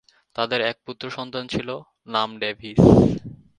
তাদের এক পুত্র সন্তান ছিল, নাম ডেভিস।